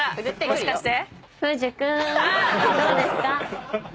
もしかして。